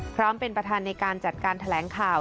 พร้อมเป็นประธานในการจัดการแถลงข่าว